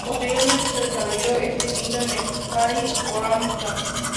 Posteriormente se desarrolló este mito en el "Jari-vamsa".